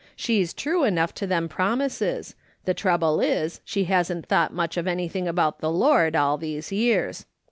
She's true enough to them promises ; tlie trouble is slie hasn't thought much of anything about the Lord all these years.